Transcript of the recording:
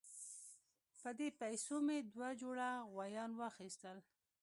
په دې پیسو مې دوه جوړه غویان واخیستل.